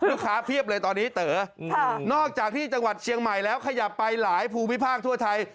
เพียบเลยตอนนี้เต๋อนอกจากที่จังหวัดเชียงใหม่แล้วขยับไปหลายภูมิภาคทั่วไทย